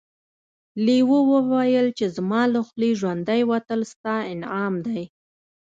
لیوه وویل چې زما له خولې ژوندی وتل ستا انعام دی.